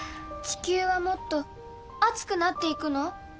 地球はもっと熱くなっていくの？